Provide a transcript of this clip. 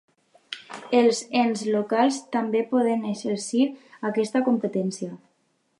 Els ens locals també poden exercir aquesta competència.